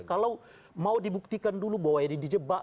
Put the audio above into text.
kalau mau dibuktikan dulu bahwa ya di jebak